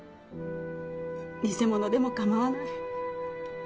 偽物でもかまわない。